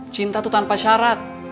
cinta tuh tanpa syarat